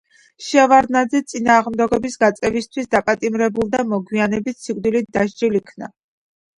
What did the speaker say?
შევარდნაძე წინააღმდეგობის გაწევისთვის დაპატიმრებულ და მოგვიანებით სიკვდილით დასჯილ იქნა.